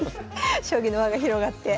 将棋の輪が広がって。